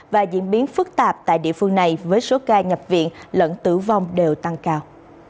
và diễn biến phức tạp tại địa phương này với số ca nhập viện lẫn tử vong đều tăng cao